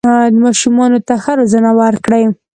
ماشومانو ته ښه روزنه ورکړئ